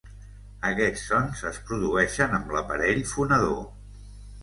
Aquests sons es produeixen amb l'aparell fonador.